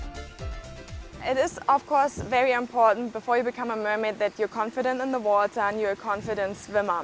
tentu saja sangat penting sebelum menjadi mermaid kamu harus yakin dengan air dan yakin dengan berenang